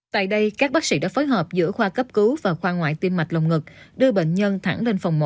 tại đây các bác sĩ đã phối hợp giữa khoa cấp cứu và khoa ngoại tim mạch lồng ngực đưa bệnh nhân thẳng lên phòng một